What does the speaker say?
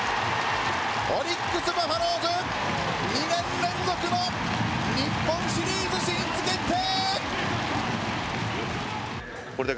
オリックスバファローズ、２年連続の日本シリーズ進出決定！